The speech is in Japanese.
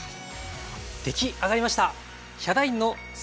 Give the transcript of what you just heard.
出来上がりました。